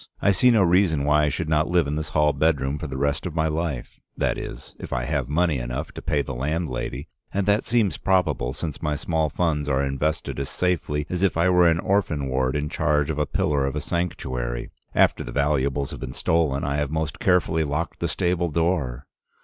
I see no reason why I should not live in this hall bedroom for the rest of my life, that is, if I have money enough to pay the landlady, and that seems probable, since my small funds are invested as safely as if I were an orphan ward in charge of a pillar of a sanctuary. After the valuables have been stolen, I have most carefully locked the stable door.